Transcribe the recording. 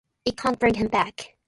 It can’t bring him back.